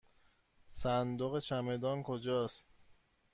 صندوق چمدان کجاست؟